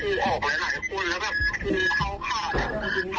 แล้วเอาไข่ก็ไม่รู้ที่ว่าเป็นครูพอเจ้าเรามีลูกเอง